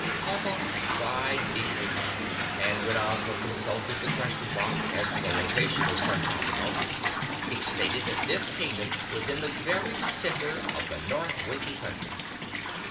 Pompa sighed deeply, and when Ozma consulted the Question Box as to the location of Sun Top Mountain, it stated that this Kingdom was in the very Centre of the North Winkie Country.